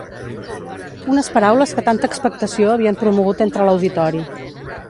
Unes paraules que tanta expectació havien promogut entre l'auditori.